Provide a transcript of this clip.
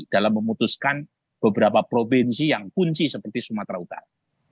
dalam memutuskan beberapa provinsi yang kunci seperti sumatera utara